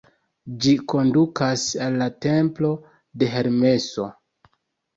Ĝi kondukas al la templo de Hermeso.